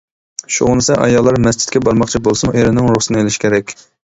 شۇغىنىسى، ئاياللار مەسچىتكە بارماقچى بولسىمۇ ئېرىنىڭ رۇخسىتىنى ئېلىشى كېرەك.